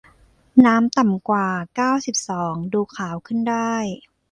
น้ำต่ำกว่า เก้าสิบสอง ดูขาวขึ้นได้